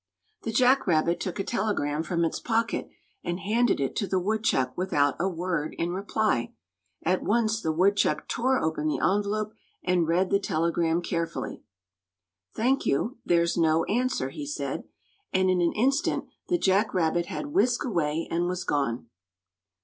The Jack Rabbit took a telegram from its pocket and handed it to the woodchuck without a word in reply. At once the woodchuck tore open the envelope and read the telegram carefully. "Thank you. There's no answer," he said; and in an instant the Jack Rabbit had whisked away and was gone.